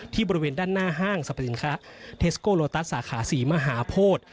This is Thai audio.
บริเวณด้านหน้าห้างสรรพสินค้าเทสโกโลตัสสาขาศรีมหาโพธิ